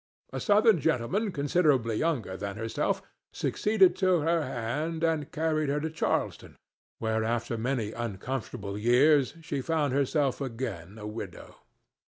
A Southern gentleman considerably younger than herself succeeded to her hand and carried her to Charleston, where after many uncomfortable years she found herself again a widow.